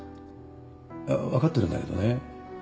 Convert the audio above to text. いや分かってるんだけどね